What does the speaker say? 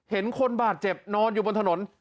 เห็นคนบาดเจ็บนอนอยู่บนถนน